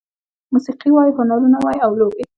موسيقي وای، هنرونه وای او لوبې